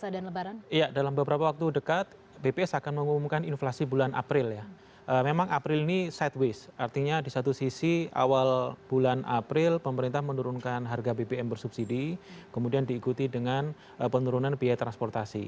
di bulan april pemerintah menurunkan harga bbm bersubsidi kemudian diikuti dengan penurunan biaya transportasi